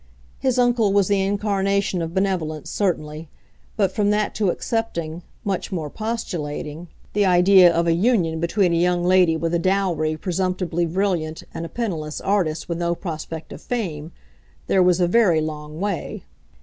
His uncle was the incarnation of benevolence, certainly; but from that to accepting—much more postulating—the idea of a union between a young lady with a dowry presumptively brilliant and a penniless artist with no prospect of fame, there was a very long way.